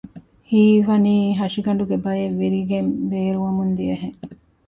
ހީވަނީ ހަށިގަނޑުގެ ބައެއް ވިރިގެން ބޭރުވަމުން ދިޔަހެން